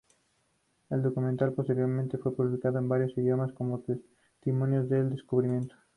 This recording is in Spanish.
El documento posteriormente fue publicado en varios idiomas, como testimonio de los descubrimientos.